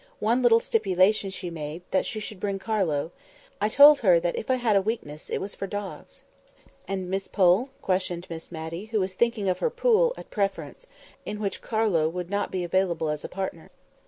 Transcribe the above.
One little stipulation she made, that she should bring Carlo. I told her that if I had a weakness, it was for dogs." "And Miss Pole?" questioned Miss Matty, who was thinking of her pool at Preference, in which Carlo would not be available as a partner.